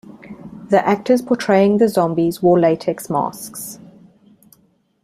The actors portraying the zombies wore latex masks.